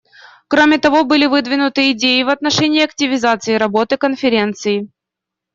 Кроме того, были выдвинуты идеи в отношении активизации работы Конференции.